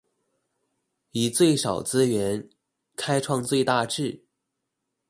以最少資源開創最大志